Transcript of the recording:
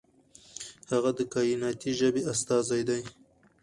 هغه د کائناتي ژبې استازی دی.